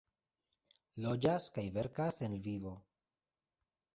Loĝas kaj verkas en Lvivo.